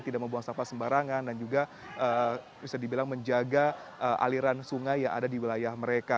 tidak membuang sampah sembarangan dan juga bisa dibilang menjaga aliran sungai yang ada di wilayah mereka